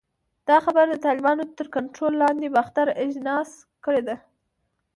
دا خبره د طالبانو تر کنټرول لاندې باختر اژانس کړې ده